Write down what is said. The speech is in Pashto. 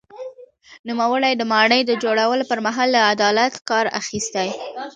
نوموړي د ماڼۍ د جوړولو پر مهال له عدالت کار اخیستی.